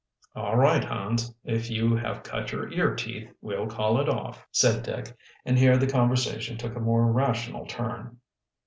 "All right, Hans, if you have cut your ear teeth we'll call it off," said Dick, and here the conversation took a more rational turn.